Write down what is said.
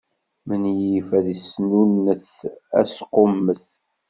Menyif asnunnet asqummet.